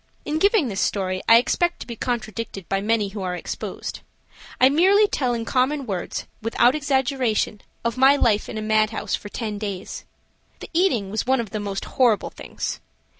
In giving this story I expect to be contradicted by many who are exposed. I merely tell in common words, without exaggeration, of my life in a mad house for ten days. The eating was one of the most horrible things.